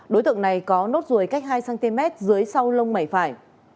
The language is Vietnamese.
đối tượng này có nốt ruồi cách hai cm dưới sau lông mảy phải